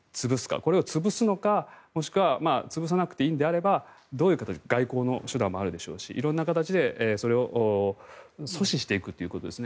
これを潰すのか、もしくは潰さなくていいのであればどういう形外交の手段もあるでしょうし色んな形で阻止していくということですね。